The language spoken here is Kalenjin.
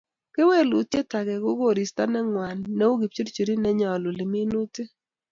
Kewelutiet age ko koristo ne ngwan neu kipchurchurit konyaluli minutik